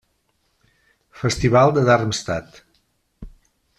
Festival de Darmstadt.